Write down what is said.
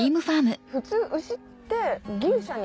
普通牛って牛舎に。